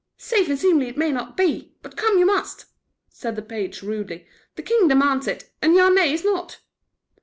"Safe and seemly it may not be, but come you must," said the page, rudely. "The king demands it, and your nay is naught."